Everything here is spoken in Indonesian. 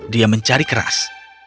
dia mencari keras